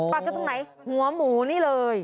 กันตรงไหนหัวหมูนี่เลย